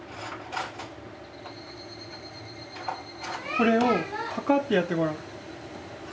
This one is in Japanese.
これをパカッてやってごらん。